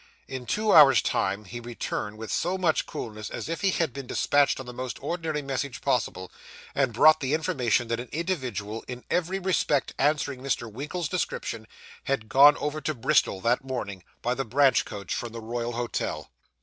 In two hours' time he returned with so much coolness as if he had been despatched on the most ordinary message possible, and brought the information that an individual, in every respect answering Mr. Winkle's description, had gone over to Bristol that morning, by the branch coach from the Royal Hotel.